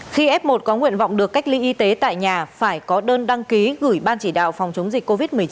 khi f một có nguyện vọng được cách ly y tế tại nhà phải có đơn đăng ký gửi ban chỉ đạo phòng chống dịch covid một mươi chín